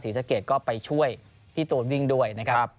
สะเกดก็ไปช่วยพี่ตูนวิ่งด้วยนะครับ